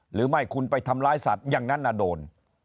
หรือไม่คุณไปทำร้ายสัตว์อย่างนั้นโดน